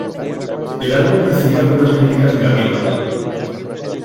El álbum recibió algunas críticas negativas.